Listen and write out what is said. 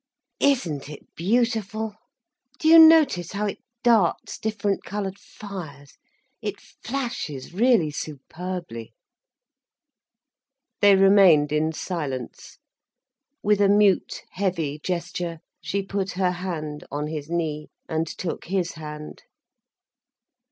"Isn't it beautiful! Do you notice how it darts different coloured fires—it flashes really superbly—" They remained in silence. With a mute, heavy gesture she put her hand on his knee, and took his hand.